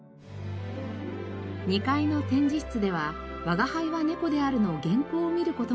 ２階の展示室では『吾輩は猫である』の原稿を見る事ができます。